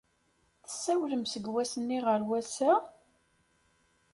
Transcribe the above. Tessawlem seg wass-nni ɣer wass-a?